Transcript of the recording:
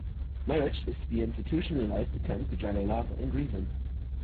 Marriage is the institutionalized attempt to juggle love and reason.